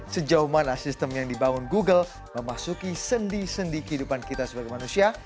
sejauh mana sistem yang dibangun google memasuki sendi sendi kehidupan kita sebagai manusia